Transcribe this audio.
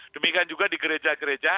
demikian juga di gereja gereja